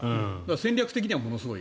戦略的にはものすごい。